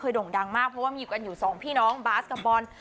โด่งดังมากเพราะว่ามีอยู่กันอยู่สองพี่น้องบาสกับบอล